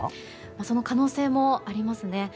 その可能性もありますね。